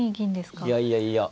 いやいやいや。